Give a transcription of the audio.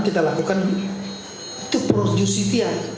kita lakukan itu projusif ya